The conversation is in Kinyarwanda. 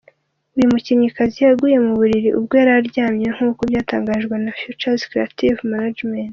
Uyu mukinnyikazi yaguye mu buriri ubwo yari aryamye nkuko byatangajwe na Features Creative Management.